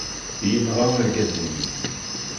Yenɣa argaz-nni.